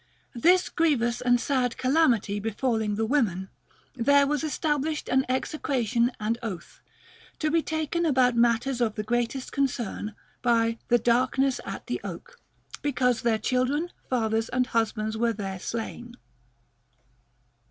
This grievous and sad calamity be falling the women, there was established an execration and oath — to be taken about matters of the greatest con cern — by " the Darkness at the Oak," because their chil dren, fathers, and husbands were there slain.